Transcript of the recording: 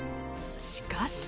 しかし。